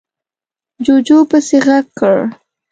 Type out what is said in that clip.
جُوجُو پسې غږ کړ: